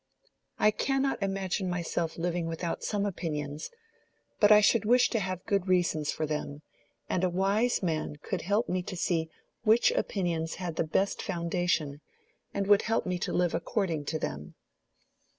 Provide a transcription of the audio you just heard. "I cannot imagine myself living without some opinions, but I should wish to have good reasons for them, and a wise man could help me to see which opinions had the best foundation, and would help me to live according to them."